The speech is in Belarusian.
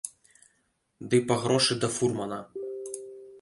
Ды па грошы да фурмана.